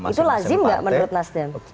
itu lazim nggak menurut nasdem